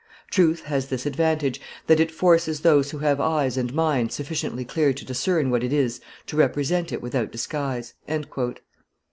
Truth has this advantage, that it forces those who have eyes and mind sufficiently clear to discern what it is to represent it without disguise."